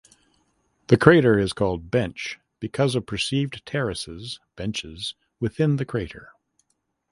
The crater is called "Bench" because of perceived terraces (benches) within the crater.